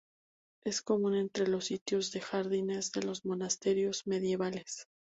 Es común entre los sitios de jardines de los monasterios medievales.